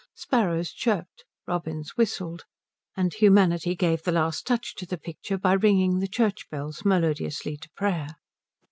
Sparrows chirped. Robins whistled. And humanity gave the last touch to the picture by ringing the church bells melodiously to prayer.